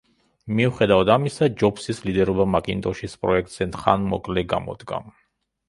მიუხედავად ამისა ჯობსის ლიდერობა მაკინტოშის პროექტზე ხანმოკლე გამოდგა.